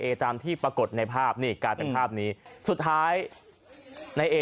ตามที่ปรากฏในภาพนี่กลายเป็นภาพนี้สุดท้ายในเอ